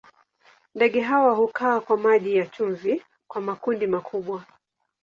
Ndege hawa hukaa kwa maji ya chumvi kwa makundi makubwa.